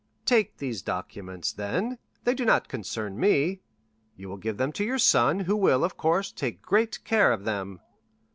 "Take these documents, then; they do not concern me. You will give them to your son, who will, of course, take great care of them."